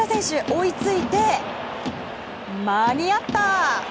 追いついて、間に合った！